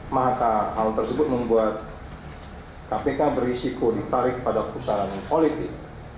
maka hal tersebut membuat kpk berisiko ditarik pada pusaran politik